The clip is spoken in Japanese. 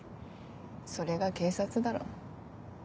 それが警察だろ。